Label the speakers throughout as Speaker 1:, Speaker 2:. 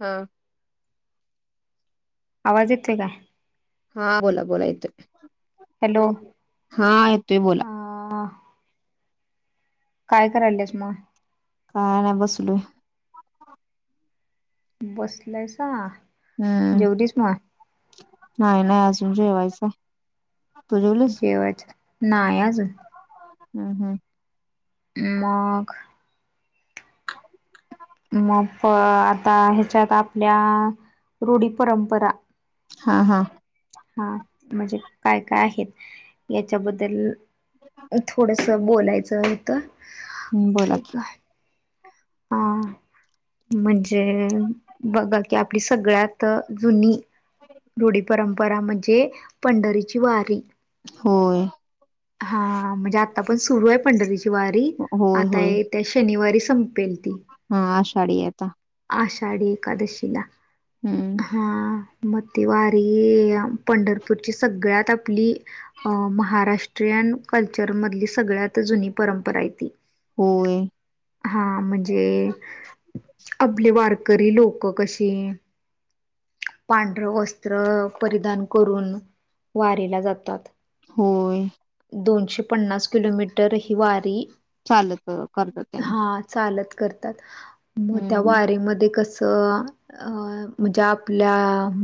Speaker 1: हा
Speaker 2: आवाज येतोय का?
Speaker 1: हा बोला बोला येतोय.
Speaker 2: हॅलो
Speaker 1: हा येतोय बोला.
Speaker 2: अ काय करायलस मग?
Speaker 1: काय नाय बसलोय.
Speaker 2: बसलायसा.
Speaker 1: हम्म
Speaker 2: जेवलीस मग
Speaker 1: नाही नाही. अजून जेवायचाय
Speaker 2: जेवायचं नाय आजुन,
Speaker 1: हम्म-हम्म
Speaker 2: मग?
Speaker 1: [unintelligible]
Speaker 2: मग आता ह्याच्यात आपल्या रूढी परंपरा-
Speaker 1: हा-हा.
Speaker 2: हा. म्हणजे काय काय आहेत? याच्याबद्दल थोडस- बोलायचं होतं.
Speaker 1: हम्म. बोला की.
Speaker 2: अ. म्हणजे बघा की आपली सगळ्यात जुनी- रूढी परंपरा म्हणजे पंढरीची वारी.
Speaker 1: होय.
Speaker 2: हा. म्हणजे आत्ता पण सुरू आहे पंढरीची वारी
Speaker 1: होय
Speaker 2: आता
Speaker 1: होय
Speaker 2: येत्या शन - शनिवारी संपेल ती.
Speaker 1: हा. आषाढी आता.
Speaker 2: आषाढी एकादशीला.
Speaker 1: हम्म.
Speaker 2: हा. मग ती वारी पंढरपूरची सगळ्यात आपली- अ महाराष्ट्रीयन, कल्चरमधली, सगळ्यात जुनी परंपरा आहे ती.
Speaker 1: होय.
Speaker 2: हा. म्हणजे-
Speaker 1: ह [inaudible]
Speaker 2: आपले वारकरी लोकं कशे? पांढरं वस्त्र परिधान करून वारीला जातात.
Speaker 1: होय.
Speaker 2: दोनशे पन्नास किलोमीटर ही वारी,
Speaker 1: चालत करतात त्याने
Speaker 2: हा. चालत करतात, मग त्या
Speaker 1: हम्म
Speaker 2: वारीेमध्ये कसं? अ म्हणजे आप - आपल्या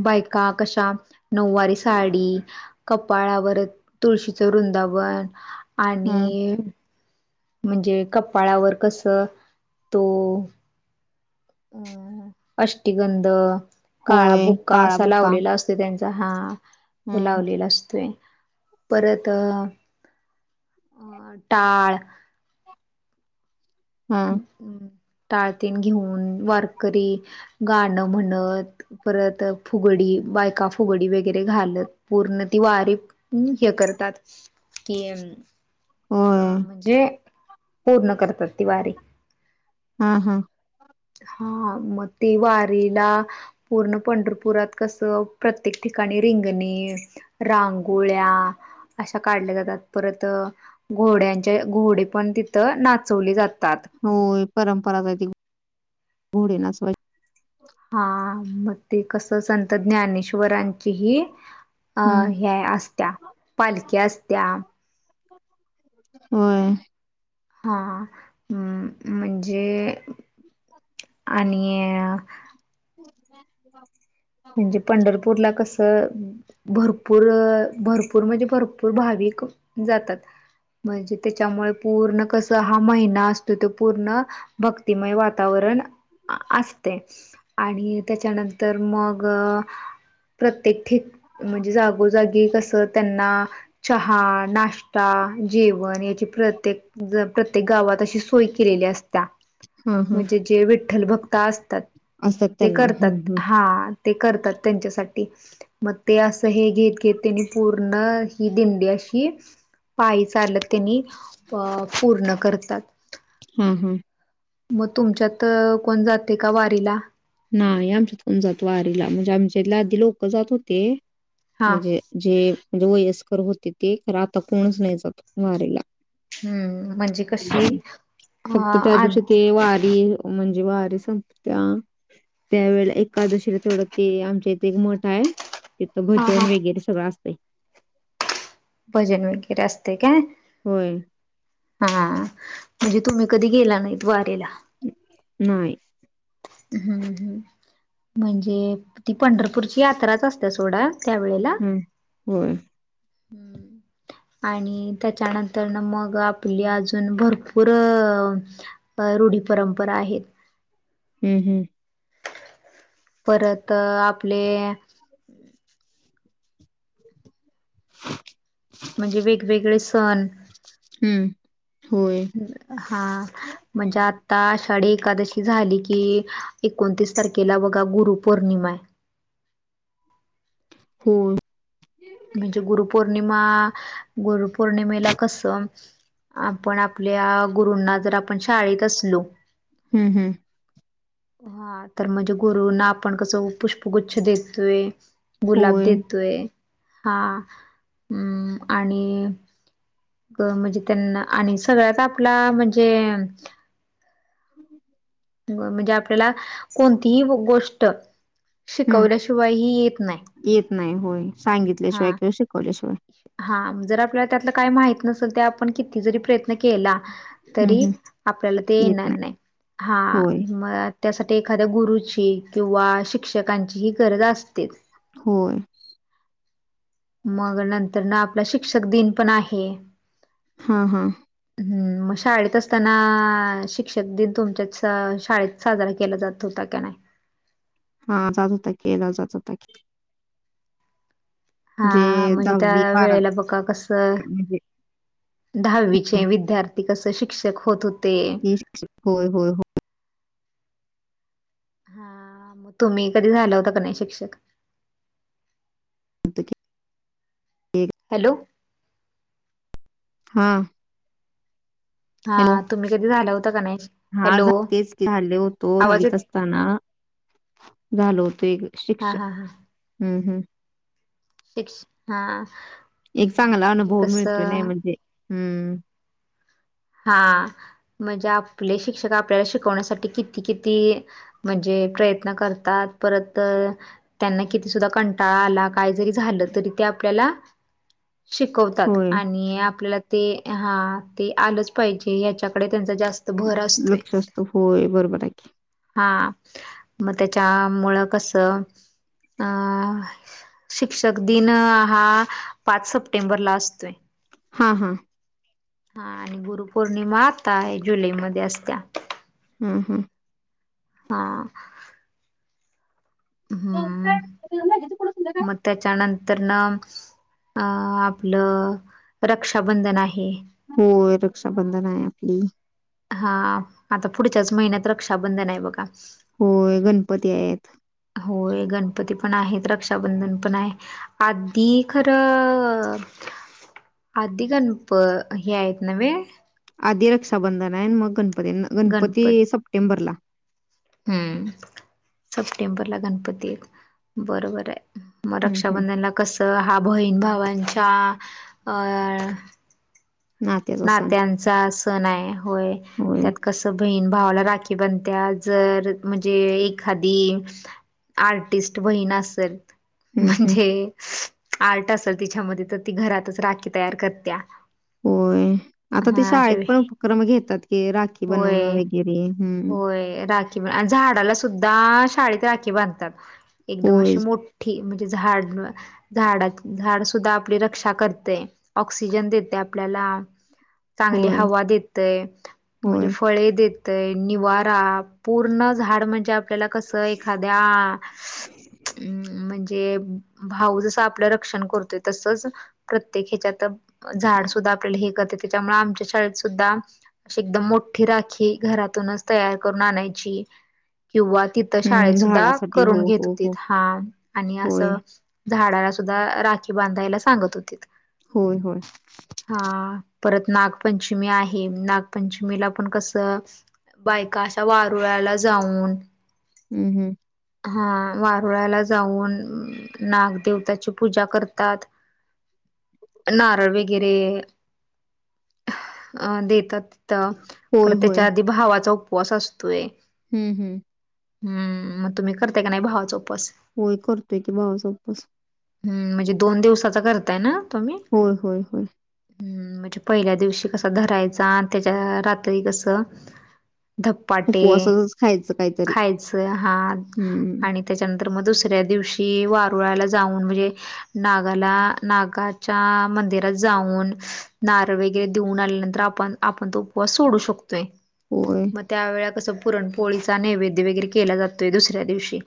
Speaker 2: बायका कशा? नऊवारी साडी- कपाळावर तुळशीचं वृंदावन
Speaker 1: हम्म
Speaker 2: आणि- म्हणजे कपाळावर कस? तो- अ अष्टीगंध, काळा
Speaker 1: होय
Speaker 2: बुक्का
Speaker 1: काळा
Speaker 2: असा
Speaker 1: बुक्का
Speaker 2: लावलेला असतो. त्यांचा हा. तो
Speaker 1: हम्म
Speaker 2: लावलेला असतोय. परत अं टाळ.
Speaker 1: हा
Speaker 2: टाळ तेन घेऊन, वारकरी गाणं म्हणत- परत फुगडी. बायका फुगडी वगैरे घालत पूर्ण ती वारी- हे करतात कि- अ
Speaker 1: होय
Speaker 2: म्हणजे? पूर्ण करतात ती वारी.
Speaker 1: हा हा.
Speaker 2: हा. मग ते वारीला - पूर्ण पंढरपुरात कसं? प्रत्येक ठिकाणी रिंगणे- रांगोळ्या- अशा काढल्या जातात. परत घोड्यांचे, घोडे पण तिथं नाचवले जातात. तात.
Speaker 1: होय. परंपराच आहे ती. घोडे नाचवाय-
Speaker 2: हा. मग ते कस? संत ज्ञानेश्वरां- ची ही
Speaker 1: हम्म
Speaker 2: हे असत्या. पालखी असत्या.
Speaker 1: हम्म.
Speaker 2: हा. हां. म्हणजे, आणि-
Speaker 1: हो [inaudible]
Speaker 2: म्हणजे पंढरपूरला कसं? भरपूर, भरपूर म्हणजे भरपूर भाविक जातात. म्हणजे त्याच्यामुळे पूर्ण कसं? हा महिना असतोय तो पूर्ण- भक्तिमय वातावरण असतय. आणि त्याच्यानंतर मग- अ. प्रत्येक ठिक, म्हणजे जागोजागी कसं त्यांना- चहा, नाश्ता, जेवण, याची प्रत्येक ज प्रत्येक गावात अशी सोय केलेली असत्या.
Speaker 1: हा हा
Speaker 2: म्हणजे जे विठ्ठल भक्त असतात,
Speaker 1: असतात
Speaker 2: ते
Speaker 1: त्यांना
Speaker 2: करतात,
Speaker 1: हम्म हम्म
Speaker 2: हा. ते करतात त्यांच्यासाठी, मग ते असं हे घेत, ते घेत पूर्ण ही दिंडी अशी, पायी चालत त्यांनी अ पूर्ण करतात.
Speaker 1: हम्म हम्म
Speaker 2: मग तुमच्यात अ कोण जाते का वारीला?
Speaker 1: नाही आमच्यात कोन जात वारीला, म्हणजे आमच्यात आधी लोकं जात होते,
Speaker 2: हा
Speaker 1: म्हणजे जे म्हणजे वयस्कर होते ते, खरं आता कोणच नाही जात वारीेला.
Speaker 2: हम्म म्हणजे कशी
Speaker 1: फक्त
Speaker 2: हा
Speaker 1: त्या
Speaker 2: आद
Speaker 1: दिवशी ते वारी म्हणजे वारी संपत्या त्यावेेळेला एकादशीला तेवढं ते, आमच्या इथे एक मठ हाय. तिथं
Speaker 2: हा
Speaker 1: भजन
Speaker 2: हा
Speaker 1: वगैरे सगळं असतंय.
Speaker 2: भजन वगैरे असतंय काय?
Speaker 1: होय
Speaker 2: हा, म्हणजे तुम्ही कधी गेला नाहीत वारीला.
Speaker 1: नाही.
Speaker 2: हम्म हम्म म्हणजे, ती पंढरपूरची यात्राच असत्या सोडा, त्यावेेळेला.
Speaker 1: हम्म होय
Speaker 2: हम्म आणि त्याच्यानंतर मग आपली अजून भरपूर अ अ रूढी परंपरा आहे.
Speaker 1: हम्म हम्म
Speaker 2: परत अ आपले
Speaker 1: [unintelligible]
Speaker 2: म्हणजे वेगवेगळे सण
Speaker 1: हम्म होय
Speaker 2: हा म्हणजे आता आषाढी एकादशी झाली की, एकोणतीस तारखेला बघा गुरुपौर्णिमा आहे.
Speaker 1: हो
Speaker 2: म्हणजे गुरुपौर्णिमा, गुरुपौर्णिमेला कसं आपण आपल्या गुरूंना जर आपण शाळेत असलो
Speaker 1: हम्म हम्म
Speaker 2: हा, तर म्हणजे गुरुंना आपण कसं पुष्पगुच्छ देतोय. गुलाब
Speaker 1: होय.
Speaker 2: देतोय, हा म आणि क म्हणजे त्यांना आणि सगळ्यात आपला म्हणजे म्हणजे आपल्याला, कोणतीही गोष्ट
Speaker 1: हं.
Speaker 2: शिकवल्या शिवायही येत नाही.
Speaker 1: येत नाही होय,
Speaker 2: हा
Speaker 1: सांगितल्याशिवाय किंवा शिकवल्याशिवाय.
Speaker 2: हा, जर आपल्याला त्यातलं काय माहित नसेल, तर आपण किती जरी प्रयत्न केला
Speaker 1: हं,
Speaker 2: तरी
Speaker 1: हं.
Speaker 2: आपल्याला ते येणार नाही, हा
Speaker 1: होय.
Speaker 2: म त्यासाठी एखाद्या गुरुची किंवा शिक्षकांची ही गरज असतेच.
Speaker 1: होय
Speaker 2: मग नंतरन आपला शिक्षक दिन पण आहे.
Speaker 1: हा हा.
Speaker 2: हम्म, मग शाळेत असताना शिक्षक दिन तुमच्याच शाळेत साजरा केला जात होता का नाही?
Speaker 1: हा जात होता, केला जात होता की.
Speaker 2: हा
Speaker 1: जे
Speaker 2: म्हणजे त्या वेळेला बघा कसं
Speaker 1: म्हणजे
Speaker 2: दहावीचे विद्यार्थी कसं शिक्षक होत होते.
Speaker 1: की होय होय हो
Speaker 2: हा तुम्ही कधी झाला होता का नाही शिक्षक?
Speaker 1: होतं की.
Speaker 2: हॅलो!
Speaker 1: हा. हॅलो!
Speaker 2: हा तुम्ही कधी झाला होता का नाही?
Speaker 1: हा
Speaker 2: हॅलो
Speaker 1: तेच झाले होतो ओ
Speaker 2: आवाज
Speaker 1: दहावीत
Speaker 2: येत
Speaker 1: असताना. झालो होतो एक
Speaker 2: हा
Speaker 1: शिक्षक.
Speaker 2: हा हा
Speaker 1: हम्म, हम्म!
Speaker 2: शिक् हा
Speaker 1: एक चांगला
Speaker 2: म्हणजे
Speaker 1: अनुभव मिळतो नाही
Speaker 2: कसं
Speaker 1: म्हणजे हम्म.
Speaker 2: हा म्हणजे आपले शिक्षक आपल्याला शिकवण्यासाठी किती किती म्हणजे प्रयत्न करतात परत त्यांना किती सुद्धा कंटाळा आला काय जरी झालं तरी ते आपल्याला शिकवतात.
Speaker 1: होय.
Speaker 2: आणि आपल्याला ते हा ते आलंच पाहिजे. याच्याकडे त्यांच जास्त भर अस
Speaker 1: लक्ष असतो होय बरोबर आहे की.
Speaker 2: हा मग त्याच्या मुळ कसं अं शिक्षक दिन हा पाच सप्टेंबरला असतोय.
Speaker 1: हा, हा.
Speaker 2: हा आणि गुरुपौर्णिमा आता आहे जुलैमध्ये असत्या.
Speaker 1: हा, हा.
Speaker 2: हा. हम्म
Speaker 1: [unintelligible]
Speaker 2: मग त्याच्यानंतर न. अ आपलं रक्षाबंधन आहे.
Speaker 1: होय रक्षाबंधन आहे आपली.
Speaker 2: हा आता पुढच्याच महिन्यात रक्षाबंधन आहे बघा.
Speaker 1: होय गणपती आहेत.
Speaker 2: होय गणपती पण आहेत, रक्षाबंधन पण आहे. आधी खरं आधी गणप हे आहेत न्हे,
Speaker 1: आधी रक्षाबंधन आहे मग गणपती गणपती
Speaker 2: गणपत
Speaker 1: सप्टेंबरला.
Speaker 2: हम्म सप्टेंबरला गणपती य बरोबर आहे. मग
Speaker 1: हं, हं.
Speaker 2: रक्षाबंधनला कसं हा बहीण भावांचा अं
Speaker 1: नात्याचा सण.
Speaker 2: नात्यांचा सण आहे होय
Speaker 1: होय.
Speaker 2: त्यात कस बहीण भावाला राखी बनत्या जर म्हणजे एखादी. आर्टिस्ट बहीण असल.
Speaker 1: हं, हं.
Speaker 2: म्हणजे आर्ट असेल तिच्यामध्ये तर ती घरातच राखी तयार करत्या.
Speaker 1: होय आता ते
Speaker 2: हा अशा
Speaker 1: शाळेत पण उपक्रम घेतात क राखी बनवणं
Speaker 2: होय.
Speaker 1: वगैरे, हम्म!
Speaker 2: राखी झाडाला सुद्धा शाळेत राखी बांधतात. एकदम
Speaker 1: होय,
Speaker 2: अशी मो ठी म्हणजे झाड झाड झाड सुद्धा आपली रक्षा करते, ऑक्सिजन देते आपल्याला. चांगली
Speaker 1: होय,
Speaker 2: हवा देतय, म्हणजे
Speaker 1: होय.
Speaker 2: फळे देत तय निवारा पूर्ण झाड म्हणजे आपल्याला कसं एखाद्या, हम् म्हणजे भाऊ जस आपलं रक्षण करतोय तसच प्रत्येक ह्याच्यात झाड सुद्धा आपल्याला हेकत त्याच्यामुळे आमच्या शाळेत सुद्धा, अशी एकदम मोठी राखी घरातूनच तयार करून आणायची किंवा ति, शाळेत
Speaker 1: हं.
Speaker 2: सुद्धा
Speaker 1: झाडासाठी
Speaker 2: करून
Speaker 1: हो,
Speaker 2: घेत
Speaker 1: हो,
Speaker 2: होती
Speaker 1: हो.
Speaker 2: हा आणि
Speaker 1: होय,
Speaker 2: असं झाडाला सुद्धा राखी बांधायला सांगत होतीत.
Speaker 1: होय, होय
Speaker 2: हा परत नागपंचमी आहे नागपंचमीला पण कसं, बायका अशा वारुळा्याला जाऊन.
Speaker 1: हम् हम्.
Speaker 2: हा वारुळ्याला जाऊन नागदेवताची पूजा करतात. नारळ वगैरे अ देतात तथ पर
Speaker 1: होय, होय.
Speaker 2: त्याच्या आधी भावाचा उपवास असतोय.
Speaker 1: हम्म हम्.
Speaker 2: हम्म मग तुम्ही करते का नाही भावाच उपस
Speaker 1: होय करतोय की भाऊ चां उपवास.
Speaker 2: हम्म म्हणजे दोन दिवसाचा करताय ना तुम्ही?
Speaker 1: होय, होय, होय.
Speaker 2: पहिल्या दिवशी कसं धरायचा आणि त्याच्या रात्री कसं? धपाटे
Speaker 1: उपवासाचच खायचं काहीतरी.
Speaker 2: खायच हा
Speaker 1: हं.
Speaker 2: आणि त्याच्यानंतर मग दुसऱ्या दिवशी वारुळाला जाऊन म्हणजे नागाला नागाच्या मंदिरात जाऊन नारळ वगैरे देऊन आल्यानंतर आपण आपण तो उपवास सोडू शकतोय.
Speaker 1: होय,
Speaker 2: मग त्यावेेळा कसं पुरण पोळीचा नैवेद्य वगैरे केला जातोय दुसऱ्या दिवशी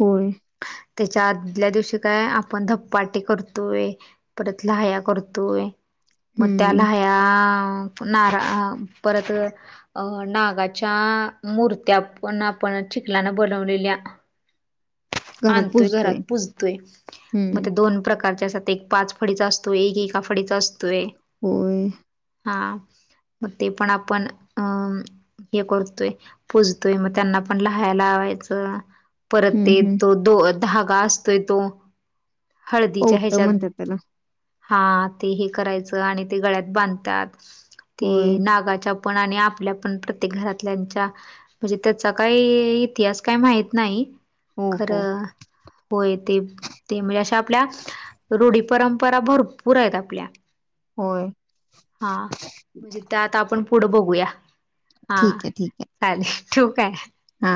Speaker 1: होय.
Speaker 2: त्याच्या आदल्या दिवशी काय आपण धपपाटी करतोय. परत लया करतोय. मग
Speaker 1: हं.
Speaker 2: त्याला्या नारा परत अ नागाच्या मूर्त्या पण आपण चिखलान बनवलेल्या. आणतोय घरात पुूजतोय मग
Speaker 1: हं.
Speaker 2: ते दोन प्रकारच्या असात एक पाच फळीडीचा असतोय एक एका फडीचा असतोय.
Speaker 1: हो.
Speaker 2: हा मग ते पण आपण हे करतोय पोजतोय मग त्यांना पण लहायला लावायचं. परत
Speaker 1: हं,
Speaker 2: ते
Speaker 1: हं.
Speaker 2: तो दो धागा असतोय तो हळदीच्या
Speaker 1: पौतं म्हणतात
Speaker 2: ह्याच्यात
Speaker 1: त्याला.
Speaker 2: हा ते हे करायचं आणि ते गळ्यात बांधतात ते
Speaker 1: होय.
Speaker 2: नागाच्या आपण आणि आपल्या पण प्रत्येक घरातल्याच्या म्हणजे त्याचा काही इतिहास काय माहित नाही.
Speaker 1: हो, हो.
Speaker 2: खरं होय ते ते म्हणजे आपल्या रूढी परंपरा भरपूर आहेत आपल्या
Speaker 1: होय.
Speaker 2: हा म्हणजे ते आता आपण पुढं बघूया हा.
Speaker 1: ठीक
Speaker 2: हा ठेऊ का?
Speaker 1: हा.